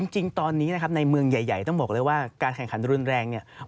จริงตอนนี้ในเมืองใหญ่ต้องบอกเลยว่าการแข็งขันธุรรณแรง